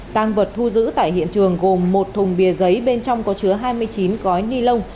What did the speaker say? tăng vật thu giữ tại hiện trường gồm một thùng bia giấy bên trong có chứa hai mươi chín gói ni lông